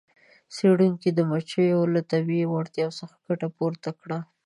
څیړونکو د مچیو له طبیعي وړتیا څخه ګټه پورته کړه.